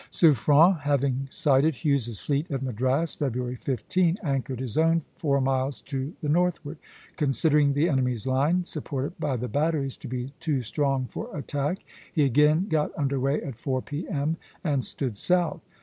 Suffren having sighted Hughes's fleet at Madras, February 15, anchored his own four miles to the northward. Considering the enemy's line, supported by the batteries, to be too strong for attack, he again got under way at four P.M., and stood south.